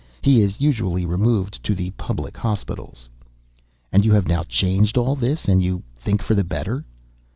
He is usually removed to the public hospitals." "And you have now changed all this—and you think for the better?"